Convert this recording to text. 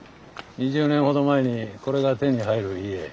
２０年ほど前にこれが手に入る家。